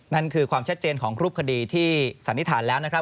นั่นคือความชัดเจนของรูปคดีที่สันนิษฐานแล้วนะครับ